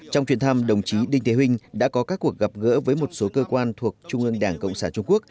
trong chuyến thăm đồng chí đinh thế huynh đã có các cuộc gặp gỡ với một số cơ quan thuộc trung ương đảng cộng sản trung quốc